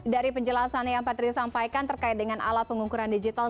dari penjelasannya yang pak tri sampaikan terkait dengan alat pengukuran digital